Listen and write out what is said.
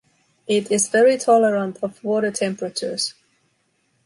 It is very tolerant of water temperatures.